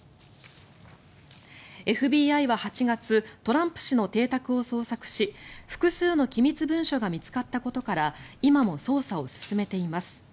ＦＢＩは８月トランプ氏の邸宅を捜索し複数の機密文書が見つかったことから今も捜査を進めています。